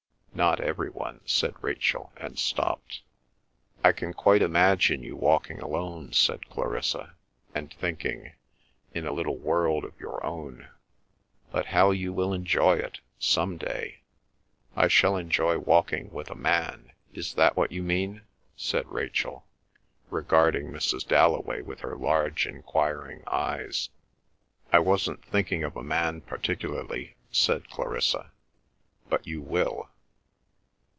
"Not every one," said Rachel, and stopped. "I can quite imagine you walking alone," said Clarissa: "and thinking—in a little world of your own. But how you will enjoy it—some day!" "I shall enjoy walking with a man—is that what you mean?" said Rachel, regarding Mrs. Dalloway with her large enquiring eyes. "I wasn't thinking of a man particularly," said Clarissa. "But you will."